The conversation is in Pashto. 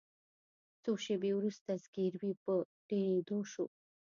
څو شیبې وروسته زګیروي په ډیریدو شو.